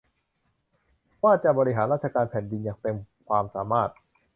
ว่าจะบริหารราชการแผ่นดินอย่างเต็มความสามารถ